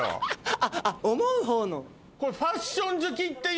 あっ思うほうの。